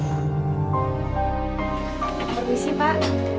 terima kasih pak